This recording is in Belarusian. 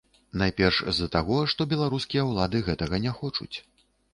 Найперш з-за таго, што беларускія ўлады гэтага не хочуць.